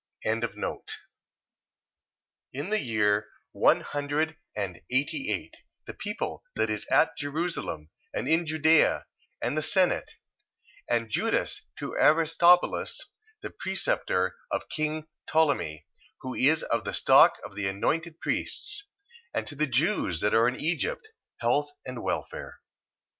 1:10. In the year one hundred and eighty eight, the people that is at Jerusalem, and in Judea, and the senate, and Judas, to Aristobolus, the preceptor of king Ptolemee, who is of the stock of the anointed priests, and to the Jews that are in Egypt, health and welfare.